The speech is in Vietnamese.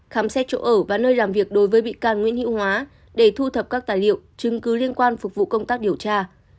khám xét chỗ ở và nơi làm việc đối với bị can nguyễn hữu hóa để thu thập các tài liệu chứng cứ liên quan phục vụ công tác điều tra